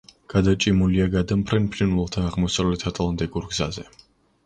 გადაჭიმულია გადამფრენ ფრინველთა აღმოსავლეთ ატლანტიკურ გზაზე.